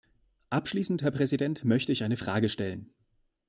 Abschließend, Herr Präsident, möchte ich eine Frage stellen.